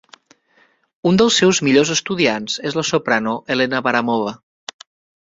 Un dels seus millors estudiants és la soprano Elena Baramova.